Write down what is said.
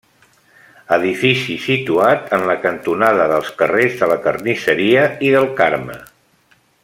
Edifici situat en la cantonada dels carrers de la Carnisseria i del Carme.